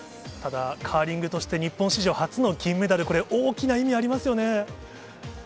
ただ、カーリングとして日本史上初の銀メダル、これ、大きな意味ありますよね。